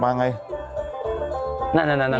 มั้งมันคืออะไร